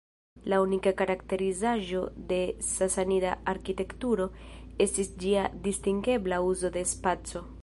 La unika karakterizaĵo de Sasanida arkitekturo, estis ĝia distingebla uzo de spaco.